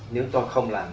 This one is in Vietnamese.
nếu tôi không làm